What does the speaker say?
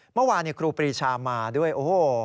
เมื่อวานครูปรีชามาด้วยโอ้โห